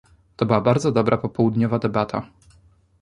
To była bardzo dobra popołudniowa debata